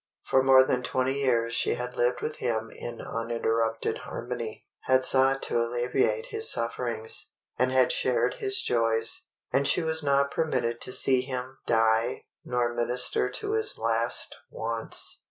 For more than twenty years she had lived with him in uninterrupted harmony; had sought to alleviate his sufferings, and had shared his joys; and she was not permitted to see him die nor minister to his last wants!